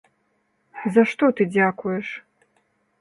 За што ты дзякуеш?